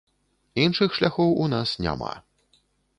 Іншых шляхоў у нас няма.